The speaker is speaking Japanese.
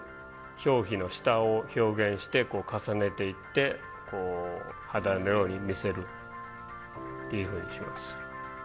表皮の下を表現して重ねていってこう肌のように見せるっていうふうにします。